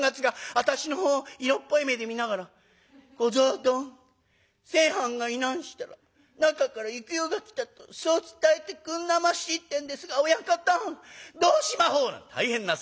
私のほう色っぽい目で見ながら『小僧どん。清はんがいなんしたら吉原から幾代が来たとそう伝えてくんなまし』ってんですが親方どうしまほう」なんて大変な騒ぎ。